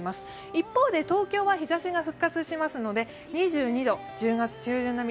一方で東京は日ざしが復活しますので２２度、１０月中旬並み。